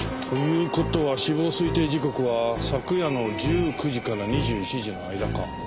という事は死亡推定時刻は昨夜の１９時から２１時の間か。